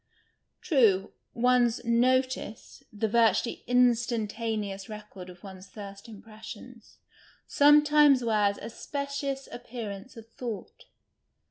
True, one's " notice ""— the virtually instan taneous record of one's first im])ressions — sometimes wears a specious appearance of thought.